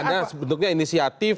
karena bentuknya inisiatif